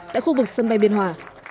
tại khu vực sân bay biên hòa